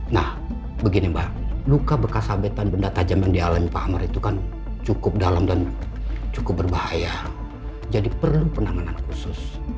nah begini mbak luka bekas habetan benda tajam yang dialami pak amar itu kan cukup dalam dan cukup berbahaya jadi perlu penanganan khusus